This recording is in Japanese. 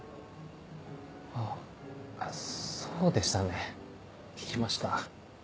あそうでしたね聞きました。